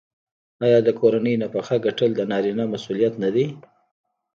آیا د کورنۍ نفقه ګټل د نارینه مسوولیت نه دی؟